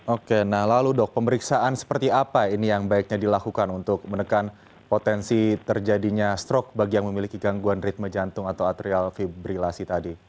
oke nah lalu dok pemeriksaan seperti apa ini yang baiknya dilakukan untuk menekan potensi terjadinya strok bagi yang memiliki gangguan ritme jantung atau atrial fibrilasi tadi